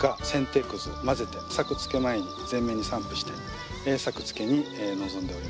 剪定くずを混ぜて作付け前に全面に散布して作付けに臨んでおります。